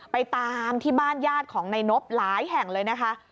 ไปตามที่บ้านญาติของนายนบหลายแห่งเลยนะคะ